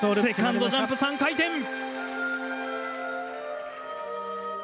セカンドジャンプ３回転！